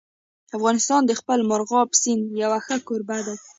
افغانستان د خپل مورغاب سیند یو ښه کوربه دی.